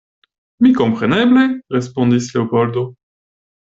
Mi kompreneble, respondis Leopoldo.